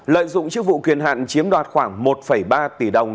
lợi dụng chức vụ quyền hạn chiếm đoạt khoảng một ba tỷ đồng